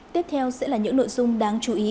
tiếp theo sẽ là những nội dung đáng chú ý